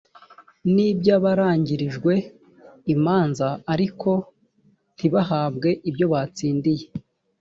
n iby abarangirijwe imanza ariko ntibahabwe ibyo batsindiye